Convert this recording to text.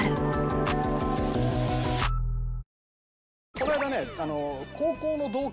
この間ね。